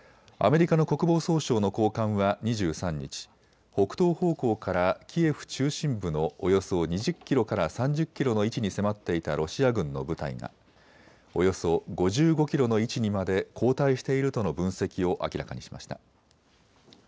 アメリカの国防総省の高官は２３日、北東方向からキエフ中心部のおよそ２０キロから３０キロの位置に迫っていたロシア軍の部隊がおよそ５５キロの位置にまで後退しているとの分析を明らかにしました。